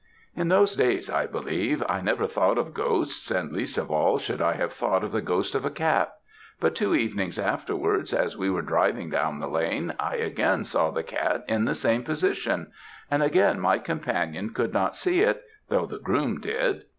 "In those days, I believe, I never thought of ghosts, and least of all should I have thought of the ghost of a cat; but two evenings afterwards, as we were driving down the lane, I again saw the cat in the same position, and again my companion could not see it, though the groom did.